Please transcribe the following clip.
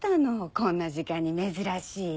こんな時間に珍しい。